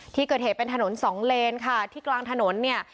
ที่เกิดเหตุเป็นถนนสองเลนค่ะที่กลางถนนเนี่ย